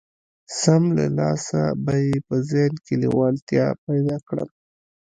سم له لاسه به يې په ذهن کې لېوالتيا پيدا کړم.